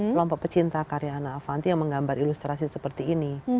kelompok pecinta karya ana avanti yang menggambar ilustrasi seperti ini